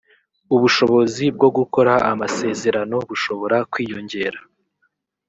ubushobozi bwo gukora amasezerano bushobora kwiyongera